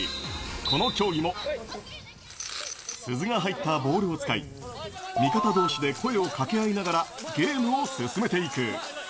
この競技も鈴が入ったボールを使い、味方どうしで声をかけ合いながら、ゲームを進めていく。